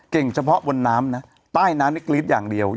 เฉพาะบนน้ำนะใต้น้ำนี่กรี๊ดอย่างเดียว